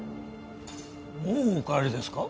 もうお帰りですか？